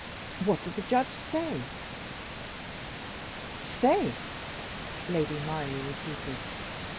What did the judge say?" "Say?" Lady Myrie repeated.